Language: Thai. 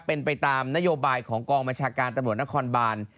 เป็นไปตามนโยบายของกองบัญชาการตำรวจนครบาน